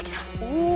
おお！